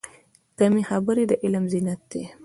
کمې خبرې، د علم زینت دی.